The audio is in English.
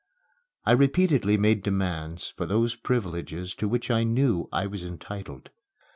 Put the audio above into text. I repeatedly made demands for those privileges to which I knew I was entitled.